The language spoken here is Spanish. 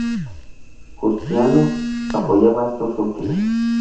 Justiniano apoyaba a estos últimos.